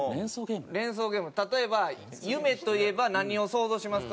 例えば「夢といえば何を想像しますか？」。